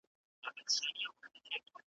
چي یې زور د مټو نه وي تل زبون دی `